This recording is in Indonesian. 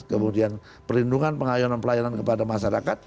kemudian perlindungan pengayonan pelayanan kepada masyarakat